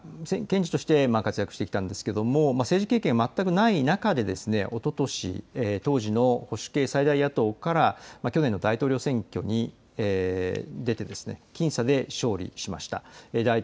ユン・ソンニョル大統領ですが検事として活躍してきたんですが政治経験が全くない中でおととしの当時の保守系最大野党から去年の大統領選挙に出て僅差で勝利しました。